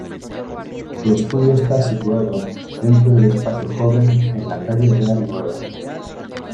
Su estudio está situado dentro del Espacio Joven, en la Calle Real Nueva.